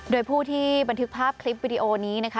โดยผู้ที่บันทึกภาพคลิปวิดีโอนี้นะคะ